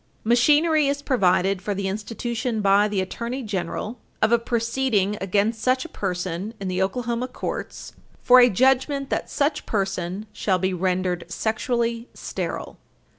§ 173. Machinery is provided for the institution by the Attorney General of a proceeding against such a person in the Oklahoma courts for a judgment that such person shall be rendered sexually sterile.